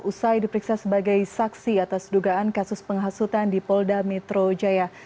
usai diperiksa sebagai saksi atas dugaan kasus penghasutan di polda metro jaya